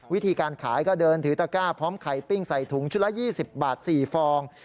วิธีการขายก็เดินถือตะก้าพร้อมไข่ปิ้งใส่ถุงชุดละ๒๐บาท๔ฟอง